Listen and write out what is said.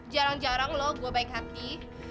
jarang jarang lu gua baik hati